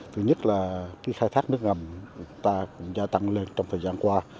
thứ nhất là khi khai thác nước ngầm ta cũng gia tăng lên trong thời gian qua